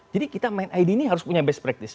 jadi kita main id ini harus punya best practice